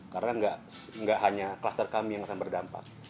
karena gak hanya kluster kami yang akan berdampak